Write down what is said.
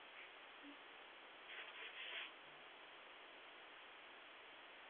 ile majadiliano ya nairobi yaendelee